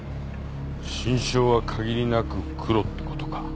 心証は限りなくクロってことか。